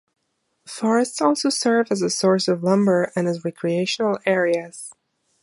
Forests also serve as a source of lumber and as recreational areas.